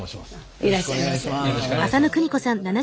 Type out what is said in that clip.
いらっしゃいませ。